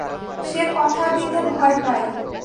সে কথা দিতে ভয় পায়।